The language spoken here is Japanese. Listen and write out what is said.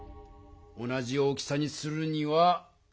同じ大きさにするには。